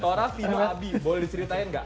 tora fino abi boleh diceritain nggak